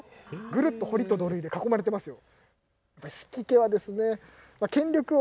ぐるっと堀と土塁に囲まれていますよ。